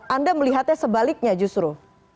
anda melihatnya sebaliknya justru